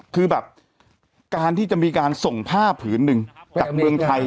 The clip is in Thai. คือแบบการที่จะมีการส่งผ้าผืนหนึ่งจากเมืองไทย